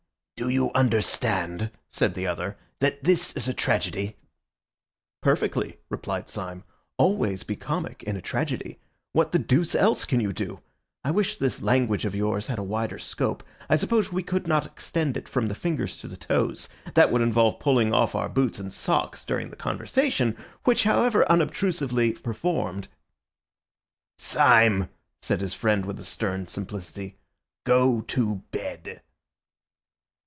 '" "Do you understand," said the other, "that this is a tragedy?" "Perfectly," replied Syme; "always be comic in a tragedy. What the deuce else can you do? I wish this language of yours had a wider scope. I suppose we could not extend it from the fingers to the toes? That would involve pulling off our boots and socks during the conversation, which however unobtrusively performed—" "Syme," said his friend with a stern simplicity, "go to bed!"